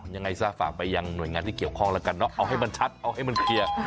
ยังไงซะฝากไปยังหน่วยงานที่เกี่ยวข้องแล้วกันเนาะเอาให้มันชัดเอาให้มันเคลียร์